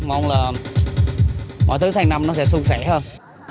mong là mọi thứ sang năm nó sẽ xuân sẻ hơn